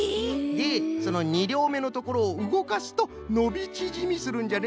でその２りょうめのところをうごかすとのびちぢみするんじゃね。